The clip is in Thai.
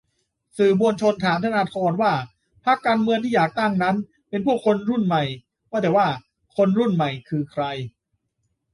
: สื่อมวลชนถามธนาธรว่าพรรคการเมืองที่อยากตั้งนั้นเป็นพวกคนรุ่นใหม่ ว่าแต่ว่า 'คนรุ่นใหม่' คือใคร ?